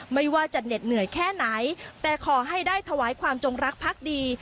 ไม่ว่าจะเหน็ดเหนื่อยแค่ไหนแต่ขอให้ได้ถวายความจงรักพักดี